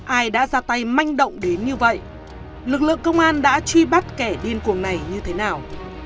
ai đã ra tay manh động đến như vậy lực lượng công an đã truy bắt kẻ điên cuồng này như thế nào